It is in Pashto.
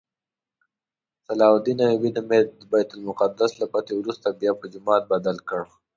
صلاح الدین ایوبي د بیت المقدس له فتحې وروسته بیا په جومات بدل کړ.